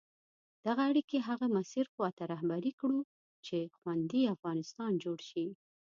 دغه اړیکي هغه مسیر خواته رهبري کړو چې خوندي افغانستان جوړ شي.